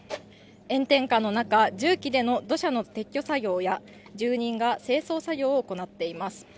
炎天下の中、重機での土砂の撤去作業や住人が清掃作業を行っています。